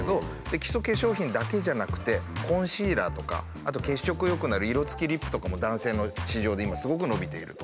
基礎化粧品だけじゃなくてコンシーラーとかあと血色良くなる色つきリップとかも男性の市場で今すごく伸びていると。